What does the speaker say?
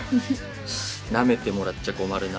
なめてもらっちゃ困るな。